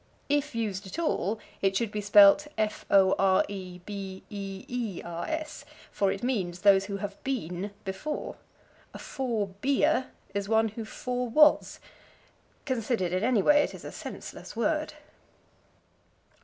If used at all it should be spelled forebeers, for it means those who have been before. A forebe er is one who fore was. Considered in any way, it is a senseless word.